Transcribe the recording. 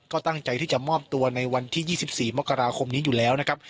ก็ตั้งใจที่จะมอบตัวในวันที่๒๔มกราคมนี้อยู่แล้วนะครับ